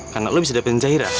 karena lo bisa deketin zaira